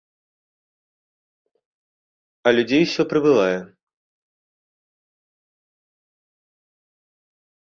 А людзей ўсё прыбывае.